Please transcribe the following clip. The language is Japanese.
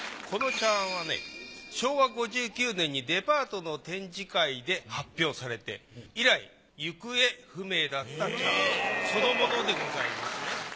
この茶碗はね昭和５９年にデパートの展示会で発表されて以来行方不明だった茶碗そのものでございます。